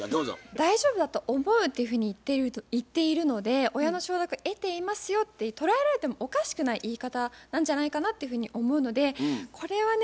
大丈夫だと思うっていうふうに言っているので親の承諾得ていますよって捉えられてもおかしくない言い方なんじゃないかなっていうふうに思うのでこれはね